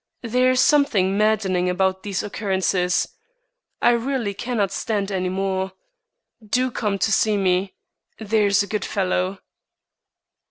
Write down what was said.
There is something maddening about these occurrences. I really cannot stand any more. Do come to see me, there's a good fellow."